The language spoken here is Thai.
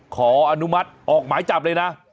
ขออนุมัติออกหมายจับเลยนะ